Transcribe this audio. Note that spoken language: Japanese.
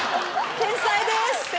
天才です！